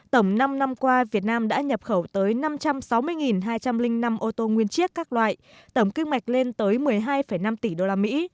tổng năm qua việt nam đã nhập khẩu tới năm trăm sáu mươi hai trăm linh năm ô tô nguyên chiếc các loại tổng kim ngạch lên tới một mươi hai năm tỷ usd